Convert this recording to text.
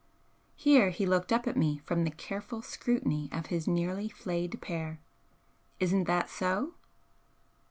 Here he looked up at me from the careful scrutiny of his nearly flayed pear. "Isn't that so?"